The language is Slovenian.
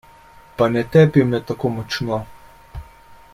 Pa ne tepi me tako močno!